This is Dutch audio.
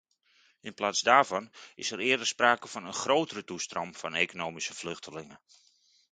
In plaats daarvan is er eerder sprake van een grotere toestroom van economische vluchtelingen.